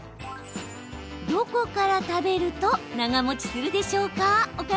どこから食べると長もちするでしょうか？